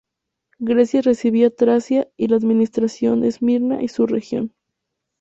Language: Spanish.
Grecia recibía Tracia y la administración de Esmirna y su región.